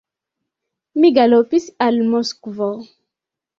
Mi galopis al Moskvo.